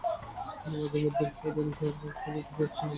তিনি মাঝে মধ্যে নিজ শহর পকরভস্কয়িতে ফিরে আসতেন আবার চলে যেতেন।